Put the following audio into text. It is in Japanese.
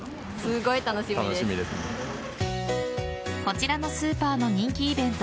こちらのスーパーの人気イベント